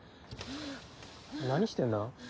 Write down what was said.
何してんだ？